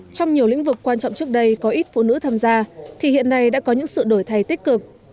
trong nhiều lĩnh vực quan trọng trước đây có ít phụ nữ tham gia thì hiện nay đã có những sự đổi thay tích cực